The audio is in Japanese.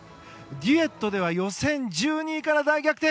デュエットでは予選１２位から大逆転！